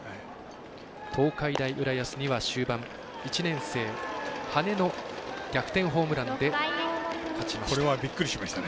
東海大浦安には終盤１年生、羽根の逆転ホームランで勝ちました。